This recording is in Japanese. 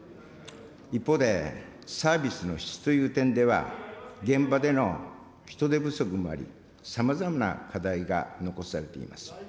一方でサービスの質という点では、現場での人手不足もあり、さまざまな課題が残されています。